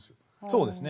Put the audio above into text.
そうですね。